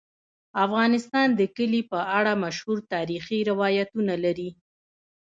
افغانستان د کلي په اړه مشهور تاریخی روایتونه لري.